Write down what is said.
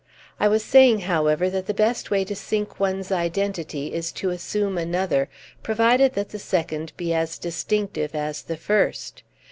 I was saying, however, that the best way to sink one's identity is to assume another, provided that the second be as distinctive as the first.